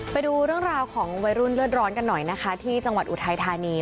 ไปดูเรื่องราวของวัยรุ่นเลือดร้อนกันหน่อยนะคะที่จังหวัดอุทัยธานี